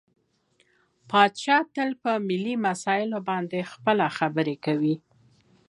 پاچا تل په ملي مسايلو باندې خپله خبرې کوي .